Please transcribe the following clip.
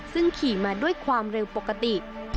ซึ่งขี่มาด้วยความเร็วปกติ